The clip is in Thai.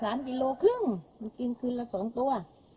เหลืองเท้าอย่างนั้น